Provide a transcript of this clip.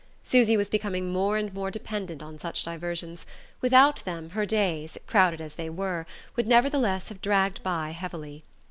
Susy was becoming more and more dependent on such diversions; without them her days, crowded as they were, would nevertheless have dragged by heavily.